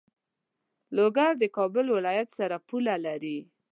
لوګر د کابل ولایت سره پوله لری.